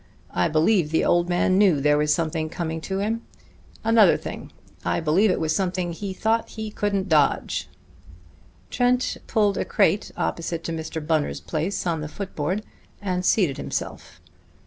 I believe the old man knew there was something coming to him. Another thing. I believe it was something he thought he couldn't dodge." Trent pulled a crate opposite to Mr. Bunner's place on the foot board and seated himself.